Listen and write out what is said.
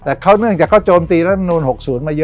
แต่เขาเนื่องจากเขาโจมตีและคำนวณ๖ศูนย์มาเยอะ